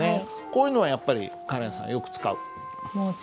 こういうのはやっぱりカレンさんよく使う？